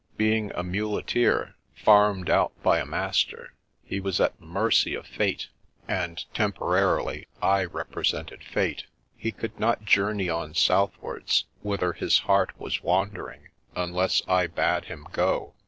Being a muleteer " farmed out " by a master, he was at the mercy of Fate, and temporarily I represented Fate. He could not journey on southwards, whither his heart was wandering, unless I bade him go.